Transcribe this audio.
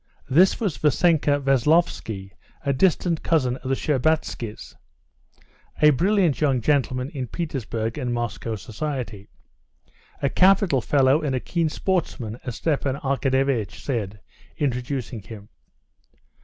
This was Vassenka Veslovsky, a distant cousin of the Shtcherbatskys, a brilliant young gentleman in Petersburg and Moscow society. "A capital fellow, and a keen sportsman," as Stepan Arkadyevitch said, introducing him.